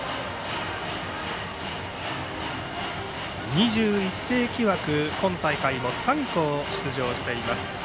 ２１世紀枠、今大会も３校出場しています。